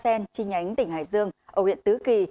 hoa sơn chi nhánh tỉnh hải dương ở huyện tứ kỳ